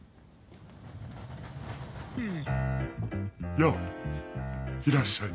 やあいらっしゃい。